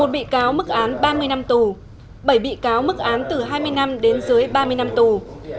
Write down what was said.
một bị cáo mức án ba mươi năm tù bảy bị cáo mức án từ hai mươi năm đến dưới ba mươi năm tù